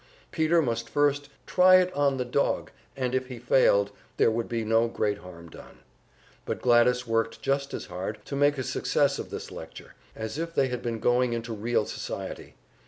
Peter must first "try it on the dog," and if he failed, there would be no great harm done. But Gladys worked just as hard to make a success of this lecture as if they had been going into real society.